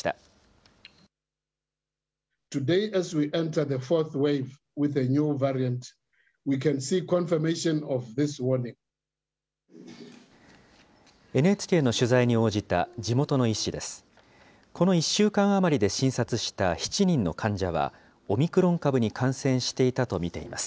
この１週間余りで診察した７人の患者は、オミクロン株に感染していたと見ています。